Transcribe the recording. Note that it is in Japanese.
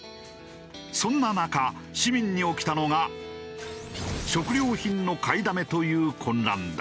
そんな中市民に起きたのが食料品の買いだめという混乱だ。